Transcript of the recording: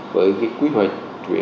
với cái quy hoạch